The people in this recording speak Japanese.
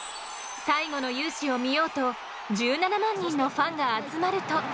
最後の雄姿を見ようと１７万人のファンが集まると。